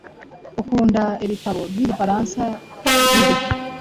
Ukunda ibitabo byigifaransa bihe?